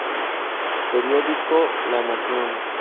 Periódico La Nación.